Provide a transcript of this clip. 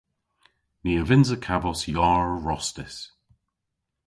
Ni a vynnsa kavos yar rostys.